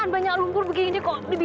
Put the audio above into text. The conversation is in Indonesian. banyak lumpur kayak gini